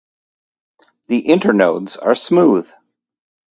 The internodes are smooth.